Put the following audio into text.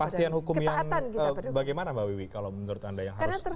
kepastian hukum yang bagaimana mbak wiwi kalau menurut anda yang harus